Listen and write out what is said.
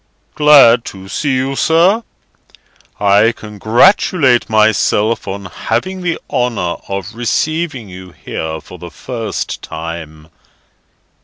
"Glad to see you, sir. I congratulate myself on having the honour of receiving you here for the first time."